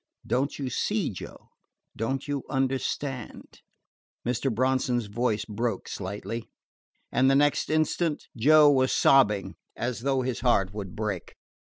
Don't you see, Joe? Don't you understand?" Mr. Bronson's voice broke slightly, and the next instant Joe was sobbing as though his heart would break.